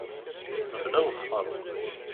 Mebla awexxer.